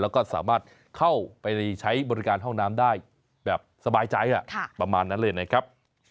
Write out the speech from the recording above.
แล้วก็สามารถเข้าไปใช้บริการห้องน้ำได้แบบสบายใจประมาณนั้นเลยนะครับ